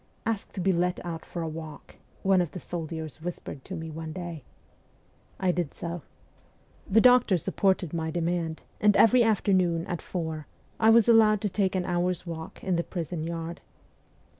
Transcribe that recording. ' Ask to be let out for a walk,' one of the soldiers whispered to me one day. I did so. The doctor sup ported my demand, and every afternoon, at four, I was allowed to take an hour's walk in the prison yard.